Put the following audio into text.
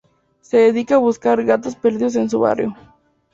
Se dedica a buscar gatos perdidos en su barrio.